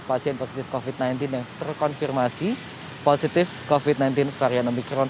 pasien positif covid sembilan belas yang terkonfirmasi positif covid sembilan belas varian omikron